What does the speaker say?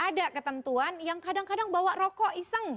ada ketentuan yang kadang kadang bawa rokok iseng